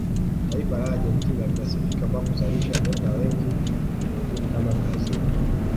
taifa la argentina linasifika kwa kuzalisha nyota wengi ulimwenguni kama brazil